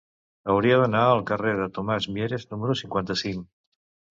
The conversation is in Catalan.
Hauria d'anar al carrer de Tomàs Mieres número cinquanta-cinc.